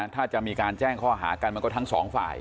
ถ้าจะมีการแจ้งข้อหากันมันก็ทั้งสองฝ่าย